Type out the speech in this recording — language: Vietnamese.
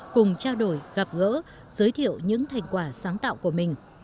cùng trao đổi gặp gỡ giới thiệu những thành quả sáng tạo của mình